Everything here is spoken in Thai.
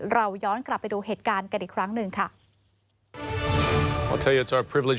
เราย้อนกลับไปดูเหตุการณ์กันอีกครั้งหนึ่งค่ะ